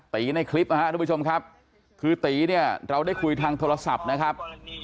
ในคลิปนะครับทุกผู้ชมครับคือตีเนี่ยเราได้คุยทางโทรศัพท์นะครับ